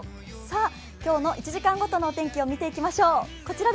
今日の１時間ごとのお天気を見ていきましょう。